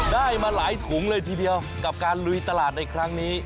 ได้มาหลายถุงเลยทีเดียวกับการลุยตลาดในครั้งนี้